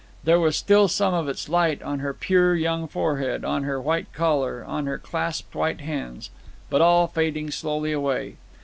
There was still some of its light on her pure young forehead, on her white collar, on her clasped white hands, but all fading slowly away.